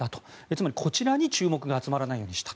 つまり、こちらに注目が集まらないようにした。